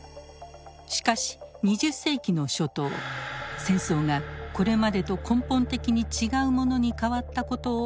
しかし２０世紀の初頭戦争がこれまでと根本的に違うものに変わったことを目の当たりにします。